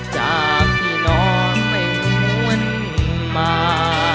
จากที่น้องไม่หวนมา